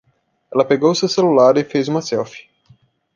Ela pegou seu celular e fez uma selfie.